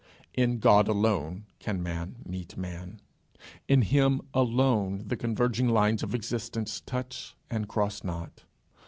In God alone can man meet man. In him alone the converging lines of existence touch and cross not.